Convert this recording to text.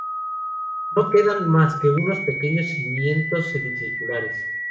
No quedan más que unos pequeños cimientos semicirculares.